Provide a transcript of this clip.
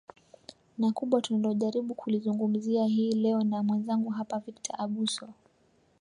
na kubwa tunalojaribu kulizungumzia hii leo na mwenzangu hapa victor abuso